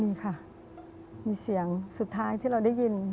มีค่ะมีเสียงสุดท้ายที่เราได้ยิน